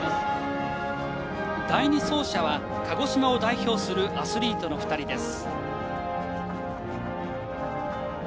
第２走者は鹿児島を代表するアスリートの２人です。